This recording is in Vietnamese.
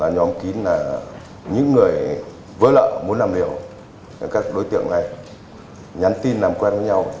nhóm kín là những người vớ lợ muốn làm hiểu các đối tượng này nhắn tin làm quen với nhau